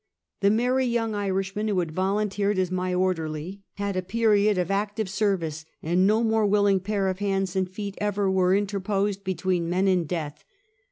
The merry, young Irishman who had volunteered as my orderly, had a period of active service ; and no more willing pair of hands and feet ever were interposed be tween men and death.